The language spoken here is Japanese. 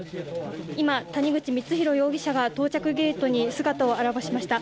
谷口容疑者が到着ゲートに姿を現しました。